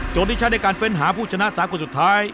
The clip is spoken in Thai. จงนิจฉันในการเฟ้นหาผู้ชนะ๓คนสุดท้าย